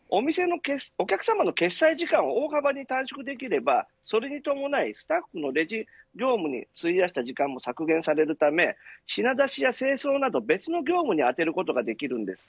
お客さまの決済時間を大幅に短縮できればそれに伴い、スタッフのレジ業務の費やした時間も削減されるため品出しや清掃など別の業務に充てることができるんです。